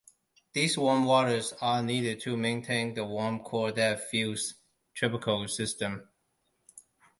These warm waters are needed to maintain the warm core that fuels tropical systems.